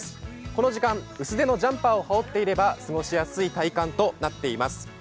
この時間薄手のジャンパーを羽織っていれば過ごしやすい体感となっています。